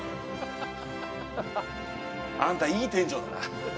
あんたいい店長だな